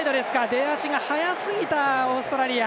出足が早すぎたオーストラリア。